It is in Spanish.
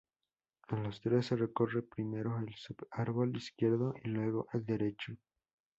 En los tres, se recorre primero el sub-árbol izquierdo y luego el derecho.